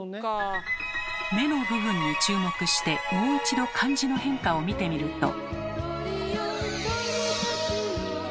目の部分に注目してもう一度漢字の変化を見てみると。